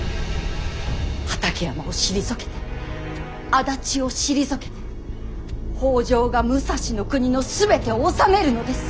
畠山を退けて足立を退けて北条が武蔵国の全てを治めるのです。